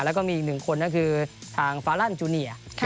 แล้วก็มีอีกหนึ่งคนก็คือทางฟาลันจูเนีย